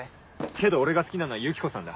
けど俺が好きなのはユキコさんだ